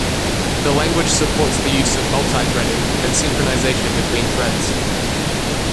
The language supports the use of multi-threading, and synchronization between threads.